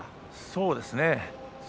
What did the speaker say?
そうですね。